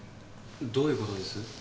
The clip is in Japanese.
どういう事です？